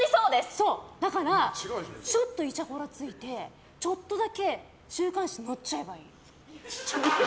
だからちょっといちゃこらついてちょっとだけ週刊誌載っちゃえばいい。